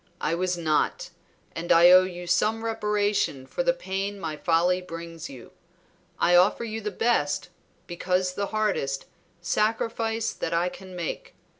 I was not, and I owe you some reparation for the pain my folly brings you. I offer you the best, because the hardest, sacrifice that I can make.